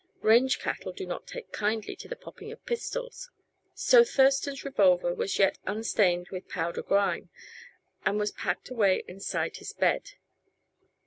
Range cattle do not take kindly to the popping of pistols. So Thurston's revolver was yet unstained with powder grime, and was packed away inside his bed.